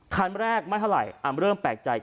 คันแรกไม่เท่าไหร่เริ่มแปลกใจ